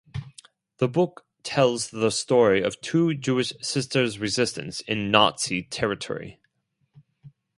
The book tells the story of two Jewish sisters’ resistance in Nazi territory.